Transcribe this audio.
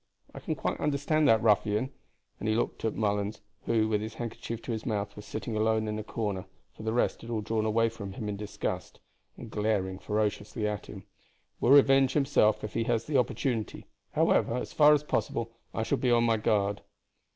I can quite understand that ruffian," and he looked at Mullens, who, with his handkerchief to his mouth, was sitting alone in a corner for the rest had all drawn away from him in disgust and glaring ferociously at him, "will revenge himself if he has the opportunity. However as far as possible I shall be on my guard."